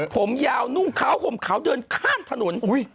ผมยาวนุ่งขาวห่มขาวเดินข้ามถนน